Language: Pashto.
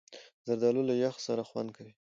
زردالو له یخ سره خوند کوي.